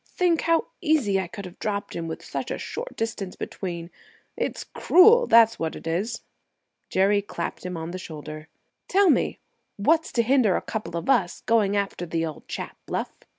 Think how easy I could have dropped him, with such a short distance between. It's cruel, that's what it is!" Jerry clapped him on the shoulder. "Tell me what's to hinder a couple of us going after the old chap, Bluff?"